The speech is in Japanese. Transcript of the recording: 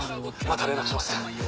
また連絡します。